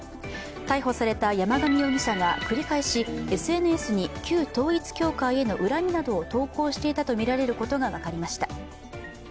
逮捕された山上容疑者が繰り返し、ＳＮＳに旧統一教会への恨みなどを投稿していたとみられることが分かりました。